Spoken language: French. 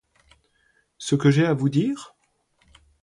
Ce que j'ai à vous dire?